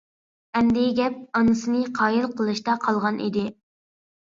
ئەمدى گەپ ئانىسىنى قايىل قىلىشتا قالغان ئىدى.